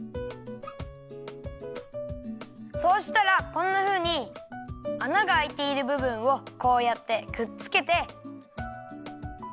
そうしたらこんなふうにあながあいているぶぶんをこうやってくっつけて。